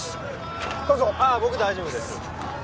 どうぞああ僕大丈夫です